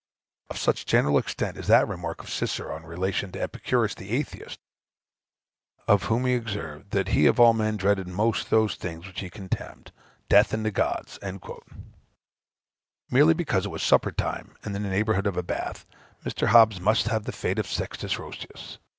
Of such general extent is that remark of Cicero, in relation to Epicurus the Atheist, of whom he observed that he of all men dreaded most those things which he contemned Death and the Gods." Merely because it was supper time, and in the neighborhood of a bath, Mr. Hobbes must have the fate of Sextus Roscius.